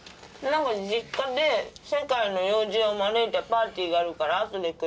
何か実家で世界の要人を招いたパーティーがあるから後で来るって。